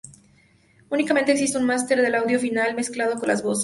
Únicamente, existe un máster del audio final mezclado con las voces.